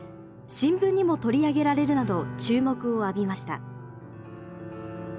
新聞にも取り上げられるなど注目を浴びました。